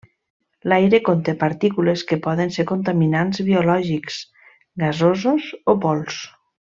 L’aire conté partícules que poden ser contaminants biològics, gasosos o pols.